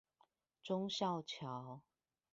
忠孝橋